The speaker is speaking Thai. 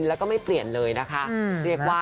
แล้วก็ไม่เปลี่ยนเลยนะ